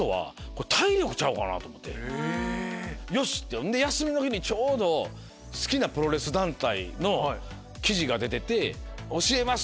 ほんで休みの日にちょうど好きなプロレス団体の記事が出てて教えます！